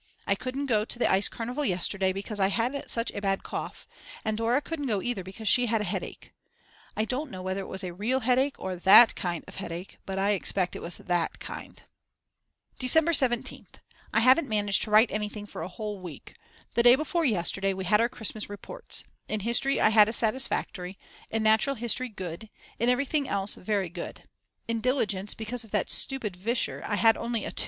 I couldn't go to the ice carnival yesterday because I had such a bad cough, and Dora couldn't go either because she had a headache; I don't know whether it was a real headache or that kind of headache; but I expect it was that kind. December 17th. I haven't managed to write anything for a whole week. The day before yesterday we had our Christmas reports: In history I had satisfactory, in Natural History good, in everything else very good. In diligence because of that stupid Vischer I had only a 2.